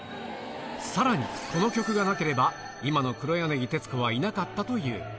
さらに、この曲がなければ、今の黒柳徹子はいなかったという。